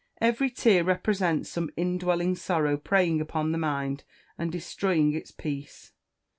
Every tear represents some in dwelling sorrow preying upon the mind and destroying its peace.